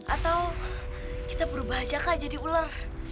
atau kita berubah aja kak jadi ular